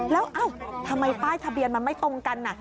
แล้วเอ้าทำไมป้ายทะเบียนมันไม่ตรงกัน